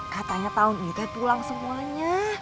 katanya tahun itu pulang semuanya